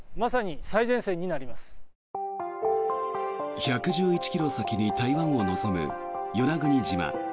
１１１ｋｍ先に台湾を望む与那国島。